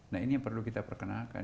nah ini yang perlu kita perkenalkan